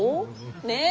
ねえ！